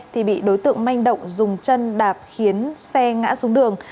thì bị đối tượng manh động dùng chân đạp khiến xe ngã xuống đường